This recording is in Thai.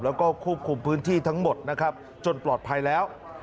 แล้วก็ควบคุมพื้นที่ทั้งหมดนะครับจนปลอดภัยแล้ว